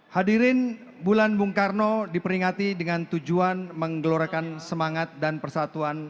hadirin bulan bung karno diperingati dengan tujuan menggelorakan semangat dan persatuan